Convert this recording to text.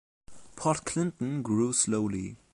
Port Clinton grew slowly.